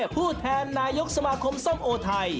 ผู้แทนนายกสมาคมส้มโอไทย